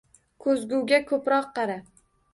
Ko’zguga ko’proq qara!